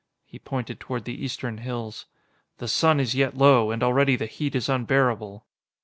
He pointed toward the eastern hills. "The sun is yet low, and already the heat is unbearable."